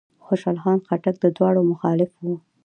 خوشحال خان خټک د دواړو مخالف و.